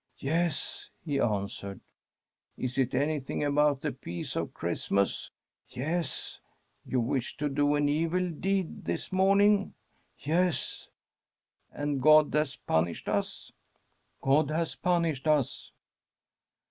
' Yes/ he answered. * Is it anything about the peace of Christmas ?'' Yes.' ' You wished to do an evil deed this morning? '* Yes.' * And God has punished us? '* God has punished us.'